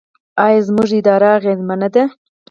آیا زموږ اداره اغیزمنه ده؟